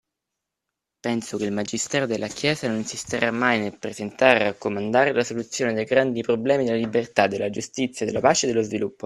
Penso che il Magistero della Chiesa non insisterà mai abbastanza nel presentare e raccomandare la soluzione dei grandi problemi della libertà, della giustizia, della pace, dello sviluppo;